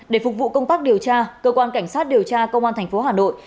để phục vụ công tác điều tra cơ quan cảnh sát điều tra công an tp hà nội